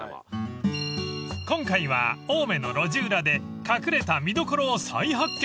［今回は青梅の路地裏で隠れた見どころを再発見］